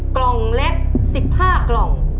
กล่องเล็ก๑๕กล่อง